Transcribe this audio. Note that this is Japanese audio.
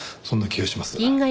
そんな気がします。